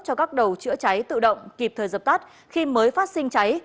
cho các đầu chữa cháy tự động kịp thời dập tắt khi mới phát sinh cháy